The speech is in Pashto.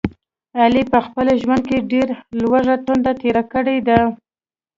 علي په خپل ژوند کې ډېرې لوږې تندې تېرې کړي دي.